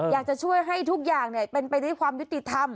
อยากจะช่วยให้ทุกอย่างเป็นไปด้วยความยุติธรรม